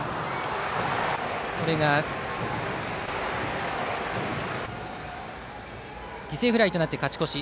これが犠牲フライとなって勝ち越し。